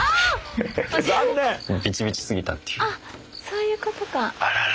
そういうことか。